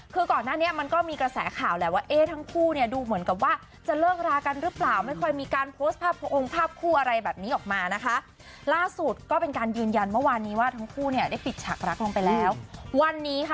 คือก่อนหน้านี้มันก็มีกระแสข่าวแล้วว่าเอ๊ะทั้งคู่เนี่ยดูเหมือนกับว่าจะเลิกลากันหรือเปล่า